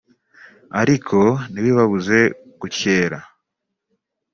ariko ntibibabuze gutyera